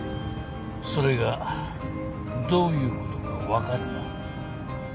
それがどういうことか分かるな？